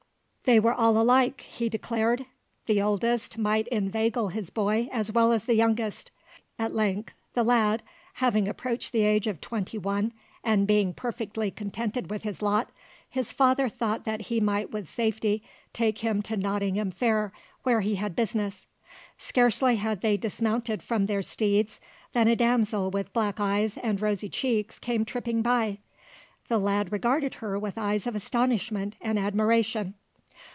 They were all alike, he declared. The oldest might inveigle his boy as well as the youngest. At length the lad having approached the age of twenty one, and being perfectly contented with his lot, his father thought that he might with safety take him to Nottingham Fair where he had business. Scarcely had they dismounted from their steeds than a damsel with black eyes and rosy cheeks came tripping by. The lad regarded her with eyes of astonishment and admiration.